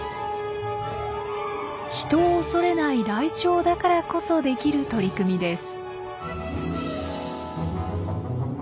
人を恐れないライチョウだからこそできる取り組みです。